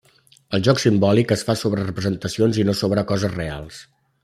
El joc simbòlic es fa sobre representacions i no sobre coses reals.